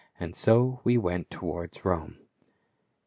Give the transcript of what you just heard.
And so we went towards Rome."